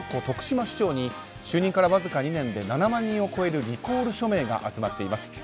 徳島市長に就任からわずか２年で７万人を超えるリコール署名が集まっています。